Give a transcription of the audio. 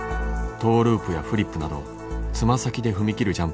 トーループやフリップなど爪先で踏み切る